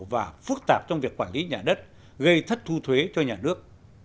và phức tạp trong việc quản lý nhà đất gây thất thu thuế cho nhà nước